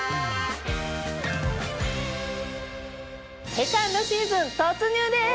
セカンドシーズン突入です！